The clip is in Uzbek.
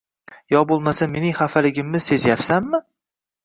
Yo bo‘lmasa mening xafaligimni sezyapsanmi?